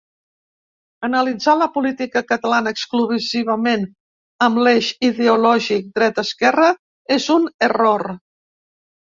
Analitzar la política catalana exclusivament amb l’eix ideològic dreta-esquerra és un error.